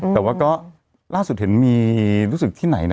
แต่ว่าก็ล่าสุดเห็นมีรู้สึกที่ไหนนะ